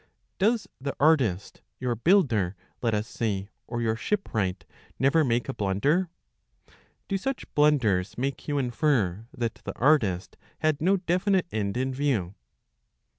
Does the artist, your builder, let us say, or your shipwright, never make a blunder?^ Do such blunders make you infer that the artist had no definite end in view